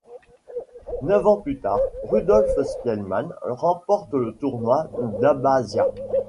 Neuf ans plus tard, Rudolf Spielmann remporte le tournoi d’Abbazia.